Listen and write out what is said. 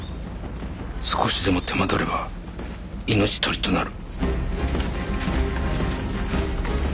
少しでも手間取れば命取りとなる。